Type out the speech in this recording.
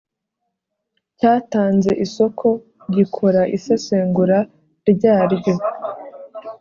cyatanze isoko gikora isesengura ryaryo